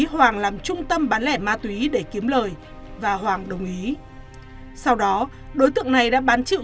hoàng làm trung tâm bán lẻ ma túy để kiếm lời và hoàng đồng ý sau đó đối tượng này đã bán chịu